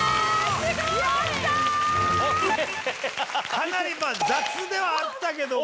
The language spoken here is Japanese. かなり雑ではあったけども。